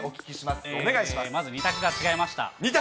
まず２択が違いました。